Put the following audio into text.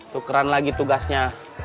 tukeran lagi tugasnya